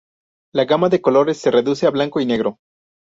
La gama de colores se reduce a blanco y negro.